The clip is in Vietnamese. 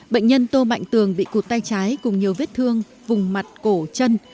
bệnh nhân tô mạnh tường bị cụt tay trái cùng nhiều vết thương vùng mặt cổ chân